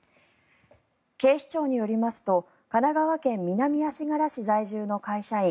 警視庁によりますと神奈川県南足柄市在住の会社員